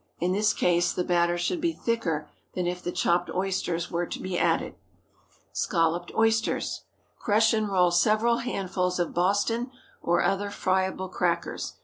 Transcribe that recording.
In this case, the batter should be thicker than if the chopped oysters were to be added. SCALLOPED OYSTERS. ✠ Crush and roll several handfuls of Boston or other friable crackers.